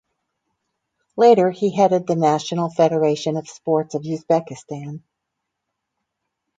Later, he headed the National Federation of Sports of Uzbekistan.